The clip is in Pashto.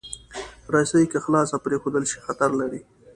رسۍ که خلاصه پرېښودل شي، خطر لري.